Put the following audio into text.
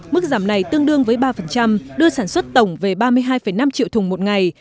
mức giảm này tương đương với ba đưa sản xuất tổng về ba mươi hai năm triệu thùng một ngày